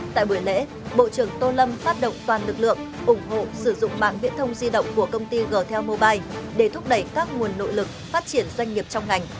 tại buổi lễ bộ trưởng tô lâm phát động toàn lực lượng ủng hộ sử dụng mạng viễn thông di động của công ty g tel mobile để thúc đẩy các nguồn nội lực phát triển doanh nghiệp trong ngành